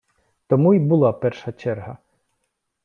Тому і була перша черга.